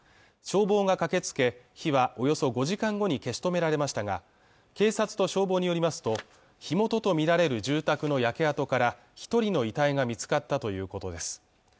消防が駆けつけ火はおよそ５時間後に消し止められましたが警察と消防によりますと火元とみられる住宅の焼け跡から一人の遺体が見つかったということです